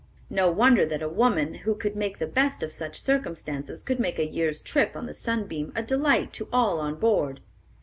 No wonder that a woman who could make the best of such circumstances could make a year's trip on the Sunbeam a delight to all on board.